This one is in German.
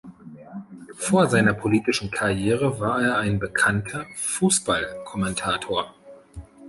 Vor seiner politischen Karriere war er ein bekannter Fußballkommentator.